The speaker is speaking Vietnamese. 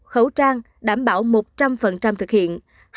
khẩu trang đảm bảo một trăm linh thực hiện